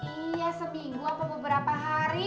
iya seminggu atau beberapa hari